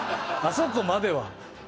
あそこまでは。